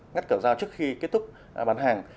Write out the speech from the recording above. ngắt cầu giao trước khi kết thúc bán hàng